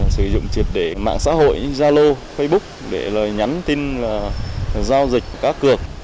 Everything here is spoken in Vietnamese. sử dụng triệt để mạng xã hội như zalo facebook để nhắn tin giao dịch cá cược